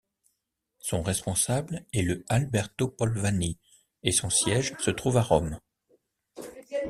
Son responsable est le Alberto Polvani et son siège se trouve à Rome.